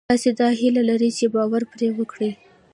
تاسې دا هیله لرئ چې باور پرې وکړئ